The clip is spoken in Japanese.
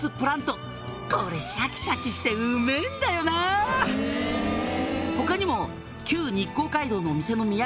「これシャキシャキしてうめぇんだよな」「他にも」